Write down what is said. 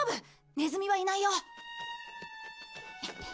ネズミはいないよ！